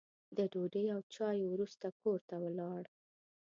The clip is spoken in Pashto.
د ډوډۍ او چایو وروسته کور ته ولاړ.